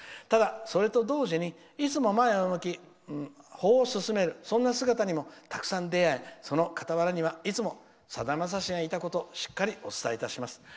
ただそれと同時にいつも前を向き歩を進めるそんな姿にもたくさん出会いその傍らにはいつも、さだまさしがいたこと、しっかりお伝えいたします」。